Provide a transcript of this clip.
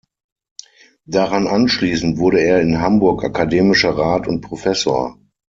Daran anschließend wurde er in Hamburg Akademischer Rat und Professor.